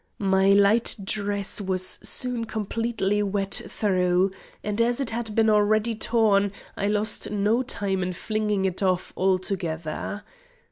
My light dress was soon completely wet through, and as it had been already torn, I lost no time in flinging it off altogether.